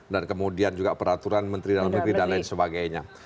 dan kemudian juga peraturan menteri dalam negeri dan lain sebagainya